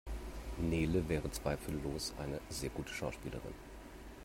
Nele wäre zweifellos eine sehr gute Schauspielerin.